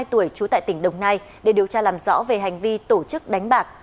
hai mươi tuổi trú tại tỉnh đồng nai để điều tra làm rõ về hành vi tổ chức đánh bạc